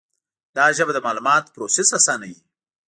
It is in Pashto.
دا ژبه د معلوماتو پروسس آسانوي.